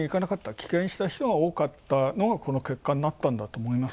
棄権した人が多かったのがこの結果になったんだと思います。